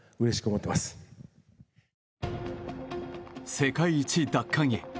世界一奪還へ。